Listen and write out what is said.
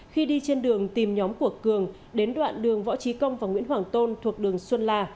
khi đi trên đường tìm nhóm của cường đến đoạn đường võ trí công và nguyễn hoàng tôn thuộc đường xuân la